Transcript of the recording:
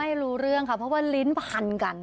ไม่รู้เรื่องค่ะเพราะว่าลิ้นพันกัน